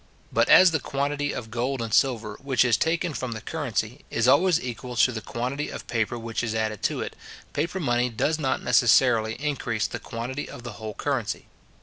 But as the quantity of gold and silver, which is taken from the currency, is always equal to the quantity of paper which is added to it, paper money does not necessarily increase the quantity of the whole currency.